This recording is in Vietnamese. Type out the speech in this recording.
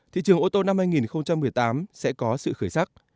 thị trường ô tô năm hai nghìn một mươi tám sẽ có sự khởi sắc